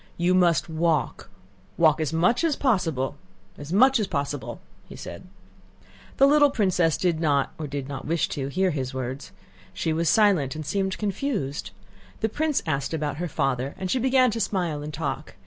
"You must walk, walk as much as possible, as much as possible," he said. The little princess did not, or did not wish to, hear his words. She was silent and seemed confused. The prince asked her about her father, and she began to smile and talk.